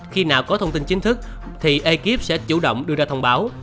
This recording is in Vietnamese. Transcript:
khi nào có thông tin chính thức thì ekip sẽ chủ động đưa ra thông báo